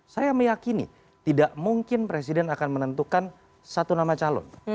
saya meyakini tidak mungkin presiden akan menentukan satu nama calon